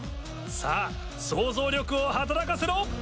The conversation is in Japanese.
さぁ想像力を働かせろ！